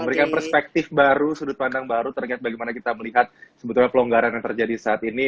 memberikan perspektif baru sudut pandang baru terkait bagaimana kita melihat sebetulnya pelonggaran yang terjadi saat ini